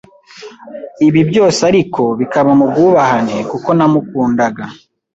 ibi byose ariko bikaba mu bwubahane kuko namukundaga.